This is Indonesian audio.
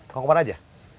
kau kemana aja